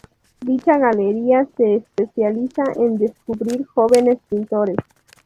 Dicha galería se especializa en descubrir jóvenes pintores.